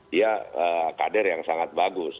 dia kader yang sangat bagus